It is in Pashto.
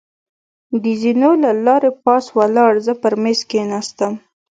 د زېنو له لارې پاس ولاړ، زه پر مېز کېناستم.